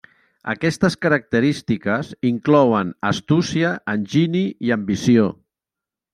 Aquestes característiques inclouen: astúcia, enginy i ambició.